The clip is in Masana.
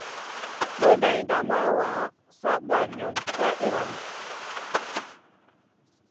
Boneyda ma wa, sa banion ka iyranou.